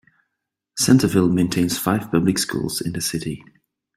Centerville maintains five public schools in the city.